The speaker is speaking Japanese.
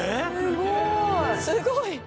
すごい！